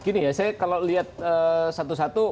gini ya saya kalau lihat satu satu